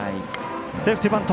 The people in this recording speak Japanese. セーフティーバント。